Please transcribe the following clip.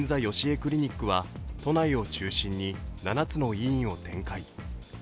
クリニックは都内を中心に７つの医院を展開。